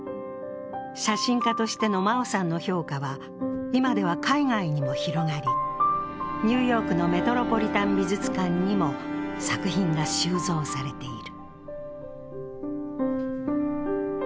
写真家としての真生さんの評価は今では海外にも広がり、ニューヨークのメトロポリタン美術館にも作品が収蔵されている。